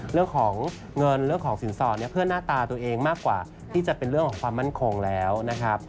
เรื่องของเงินเรื่องของสินสอดเนี่ยเพื่อหน้าตาตัวเองมากกว่าที่จะเป็นเรื่องของความมั่นคงแล้วนะครับ